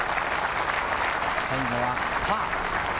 最後はパー。